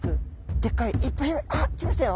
でっかいいっぱいあっ来ましたよ。